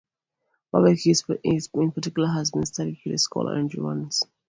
Barbecue in particular has been studied by the scholar Andrew Warnes.